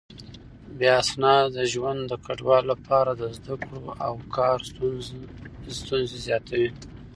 بې اسناده ژوند د کډوالو لپاره د زده کړو او کار ستونزې زياتوي.